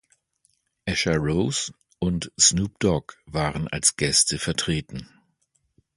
Asher Roth und Snoop Dogg waren als Gäste vertreten.